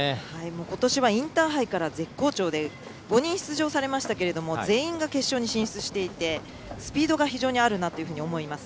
ことしはインターハイから絶好調で５人、出場されましたけど全員、決勝に進出してスピードが非常にあるなというふうに思います。